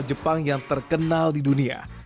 jepang yang terkenal di dunia